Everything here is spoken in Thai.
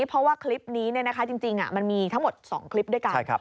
เพราะว่าคลิปนี้จริงมันมีทั้งหมด๒คลิปด้วยกัน